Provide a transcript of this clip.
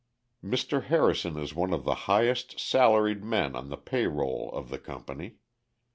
Mr. Harrison is one of the highest salaried men on the pay roll of the company.